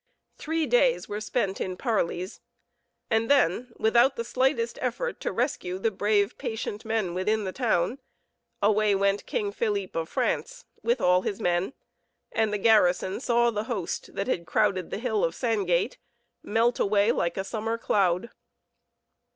Three days were spent in parleys, and then, without the slightest effort to rescue the brave, patient men within the town, away went King Philippe of France, with all his men, and the garrison saw the host that had crowded the hill of Sangate melt away like a summer cloud.